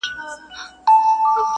د ُملا په څېر به ژاړو له اسمانه-